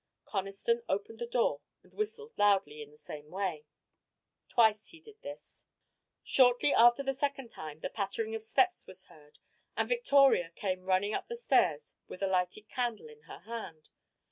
Conniston opened the door and whistled loudly in the same way. Twice he did this. Shortly after the second time the pattering of steps was heard and Victoria came running up the stairs with a lighted candle in her hand.